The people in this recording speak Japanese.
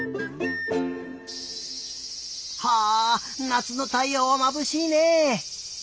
はあなつのたいようはまぶしいね。